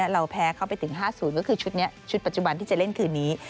เราแพ้เข้าไปถึง๕๐ก็คือชุดนี้ชุดปัจจุบันที่จะเล่นคืนนี้